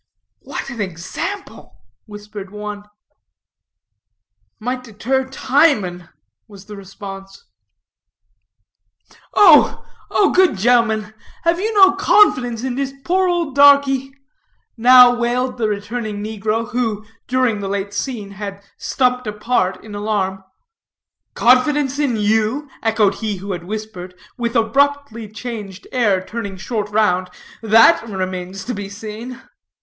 "What an example," whispered one. "Might deter Timon," was the response. "Oh, oh, good ge'mmen, have you no confidence in dis poor ole darkie?" now wailed the returning negro, who, during the late scene, had stumped apart in alarm. "Confidence in you?" echoed he who had whispered, with abruptly changed air turning short round; "that remains to be seen."